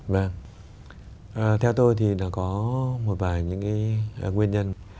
vâng theo tôi thì có một vài nguyên nhân